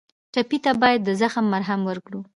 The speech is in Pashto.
ټپي ته باید د زخم مرهم ورکړو.